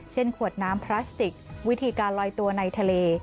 ขวดน้ำพลาสติกวิธีการลอยตัวในทะเล